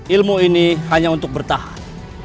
ilmu ini hanya untuk bertahan